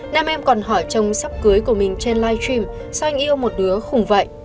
nam em còn hỏi chồng sắp cưới của mình trên live stream sao anh yêu một đứa khủng vậy